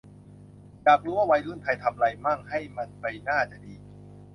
อยากรู้ว่าวัยรุ่นไทยทำไรมั่ง ให้มันไปน่าจะดี